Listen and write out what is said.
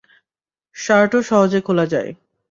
শার্টও সহজে খোলা যায়।